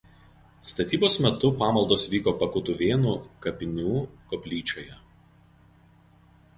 Statybos metu pamaldos vyko Pakutuvėnų kapinių koplyčioje.